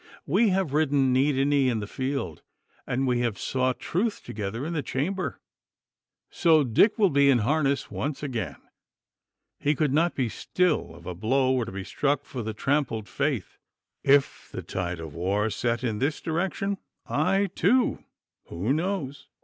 We have ridden knee to knee in the field, and we have sought truth together in the chamber. So, Dick will be in harness once again! He could not be still if a blow were to be struck for the trampled faith. If the tide of war set in this direction, I too who knows?